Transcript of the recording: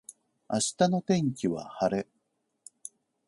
明日の天気は晴れ